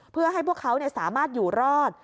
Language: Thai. เพื่อให้พวกเขาสามารถอยู่รอด